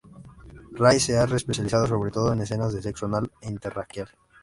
Rae se ha especializado sobre todo en escenas de sexo anal e interracial.